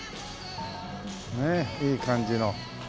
ねえいい感じの。